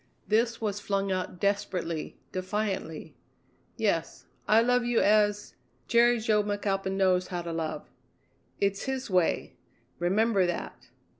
This was flung out desperately, defiantly. "Yes, I love you as Jerry Jo McAlpin knows how to love. It's his way. Remember that!"